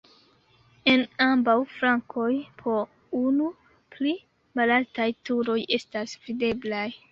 En ambaŭ flankoj po unu pli malaltaj turoj estas videblaj.